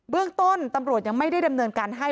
เรื่องต้นตำรวจยังไม่ได้ดำเนินการให้